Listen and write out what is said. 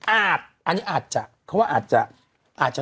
อ้าดอันนี้อ่าดแจเค้าว่าอ่าดจะ